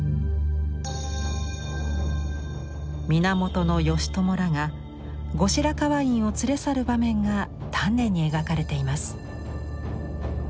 源義朝らが後白河院を連れ去る場面が丹念に描かれています。